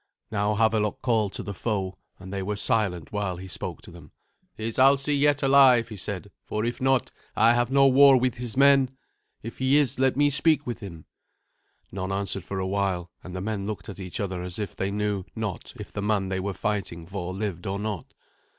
Now Havelok called to the foe, and they were silent while he spoke to them. "Is Alsi yet alive?" he said; "for if not, I have no war with his men. If he is, let me speak with him." None answered for a while, and the men looked at each other as if they knew not if the man they were fighting for lived or not.